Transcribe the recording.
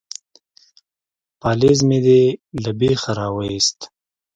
_پالېز مې دې له بېخه را وايست.